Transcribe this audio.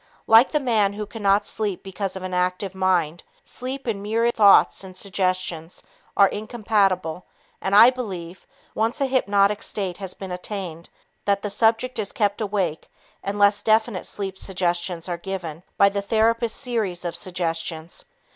Like the man who cannot sleep because of an active mind, sleep and myriad thoughts and suggestions are incompatible, and I believe, once a hypnotic state has been attained, that the subject is kept awake (unless definite sleep suggestions are given) by the therapist's series of suggestions.